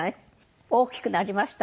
大きくなりました。